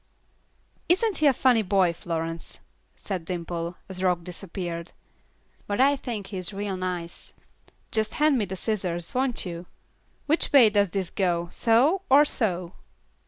"Isn't he a funny boy, Florence?" said Dimple, as Rock disappeared; "but I think he is real nice. Just hand me the scissors, won't you? Which way does this go, so, or so?"